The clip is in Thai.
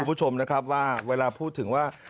คุณผู้ชมนะครับว่าเวลาพูดถึงว่า